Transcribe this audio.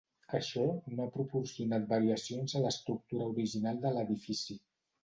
Això no ha proporcionat variacions a l'estructura original de l'edifici.